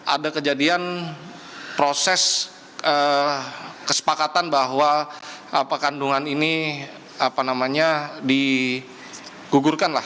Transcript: ada kejadian proses kesepakatan bahwa kandungan ini digugurkan lah